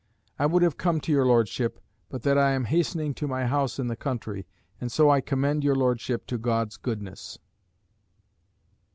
I would have come to your Lordship, but that I am hastening to my house in the country. And so I commend your Lordship to God's goodness."